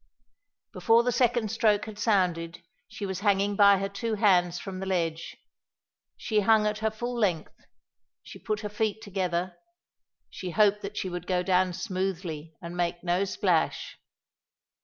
Before the second stroke had sounded she was hanging by her two hands from the ledge. She hung at her full length; she put her feet together; she hoped that she would go down smoothly and make no splash.